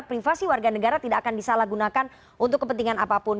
privasi warga negara tidak akan disalahgunakan untuk kepentingan apapun